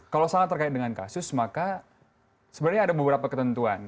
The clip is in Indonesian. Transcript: kalau sama terkait dengan kasus maka sebenarnya ada beberapa ketentuan